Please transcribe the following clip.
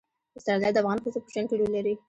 پسرلی د افغان ښځو په ژوند کې رول لري.